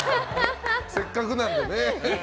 せっかくなのでね。